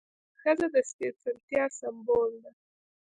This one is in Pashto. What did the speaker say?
ښځه د سپېڅلتیا سمبول ده.